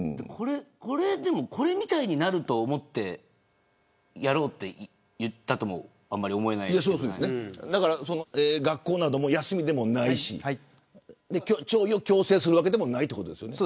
これみたいになると思ってやろうと言ったとも学校なども休みでもないし弔意を強制するわけでもないということですよね。